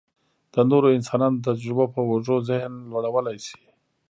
د نورو انسانانو د تجربو په اوږو ذهن لوړولی شي.